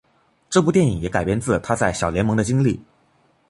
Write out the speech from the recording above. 这部电影也改编自他在小联盟的经历。